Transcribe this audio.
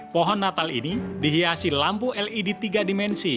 pohon natal ini dihiasi lampu led tiga dimensi